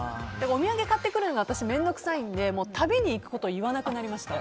お土産買ってくるのが面倒くさいので旅に行くことを言わなくなりました。